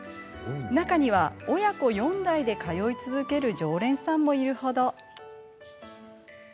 中には、親子４代で通い続ける常連さんもいるほど。